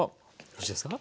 よろしいですか